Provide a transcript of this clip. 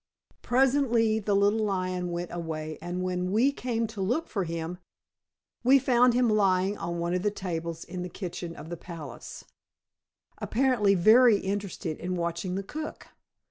Presently the little lion went away, and when we came to look for him, we found him lying on one of the tables in the kitchen of the palace, apparently very much interested in watching the cook.